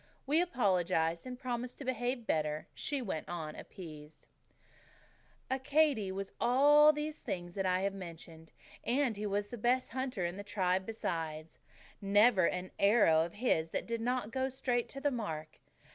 We apologized and promised to behave better; she went on, appeased: "Accadee was all these things that I have mentioned, and he was the best hunter in the tribe besides. Never an arrow of his that did not go straight to the mark.